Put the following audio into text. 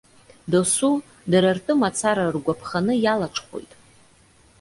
Досу, дара ртәы мацара ргәаԥханы иалаҽхәоит.